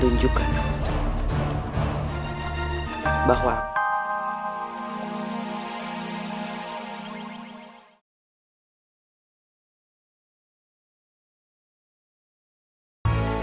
aku sudah menguasai ajian bajab ustaz